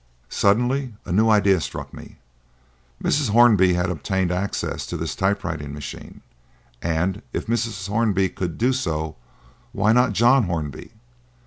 Suddenly a new idea struck me. Mrs Hornby had obtained access to this typewriting machine; and if Mrs. Hornby could do so, why not John Hornby?